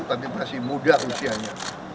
tapi masih muda usianya